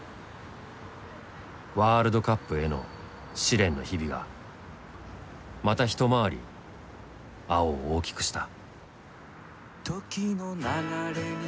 ワールドカップへの試練の日々がまた一回り碧を大きくした。